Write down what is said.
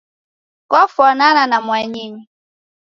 Kwafanana na mwanyinyu